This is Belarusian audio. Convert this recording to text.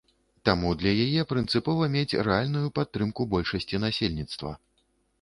Таму для яе прынцыпова мець рэальную падтрымку большасці насельніцтва.